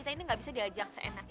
ini belanda dateng lagi